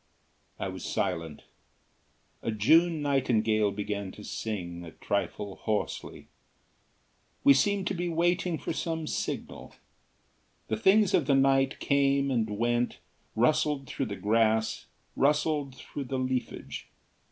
I was silent. A June nightingale began to sing, a trifle hoarsely. We seemed to be waiting for some signal. The things of the night came and went, rustled through the grass, rustled through the leafage.